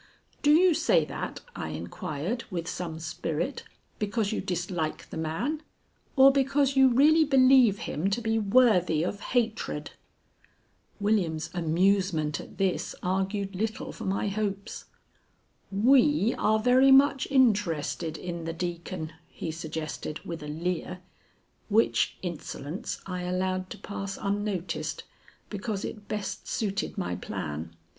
"Do you say that," I inquired, with some spirit, "because you dislike the man, or because you really believe him to be worthy of hatred?" William's amusement at this argued little for my hopes. "We are very much interested in the Deacon," he suggested, with a leer; which insolence I allowed to pass unnoticed, because it best suited my plan.